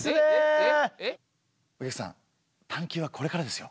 お客さん探究はこれからですよ。